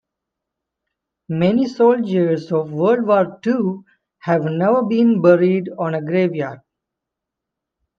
Many soldiers of world war two have never been buried on a grave yard.